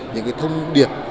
những cái thông điệp